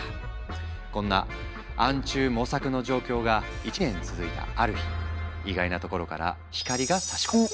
こんな暗中模索の状況が１年続いたある日意外なところから光がさし込む。